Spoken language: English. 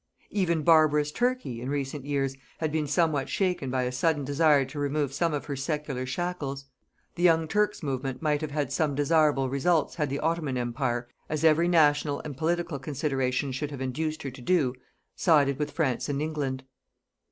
Even barbarous Turkey, in recent years, had been somewhat shaken by a sudden desire to remove some of her secular shackles. The young Turks movement might have had some desirable results had the Ottoman Empire, as every national and political considerations should have induced her to do, sided with France and England.